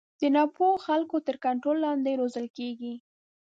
د نا پوه خلکو تر کنټرول لاندې روزل کېږي.